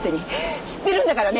知ってるんだからね。